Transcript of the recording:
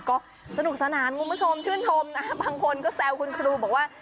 ก็สนุกสนานคุณผู้ชมชื่นชมนะบางคนก็แซวคุณครูบอกว่า